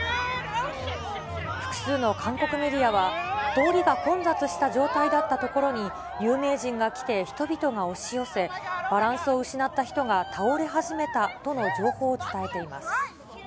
複数の韓国メディアは、通りが混雑した状態だったところに、有名人が来て、人々が押し寄せ、バランスを失った人が倒れ始めたとの情報を伝えています。